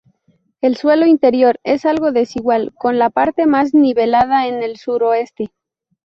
El suelo interior es algo desigual, con la parte más nivelada en el sur-suroeste.